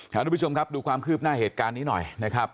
ทุกผู้ชมครับดูความคืบหน้าเหตุการณ์นี้หน่อยนะครับ